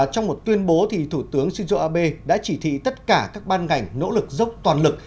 trong một tuyên bố thủ tướng shinzo abe đã chỉ thị tất cả các ban ngành nỗ lực dốc toàn lực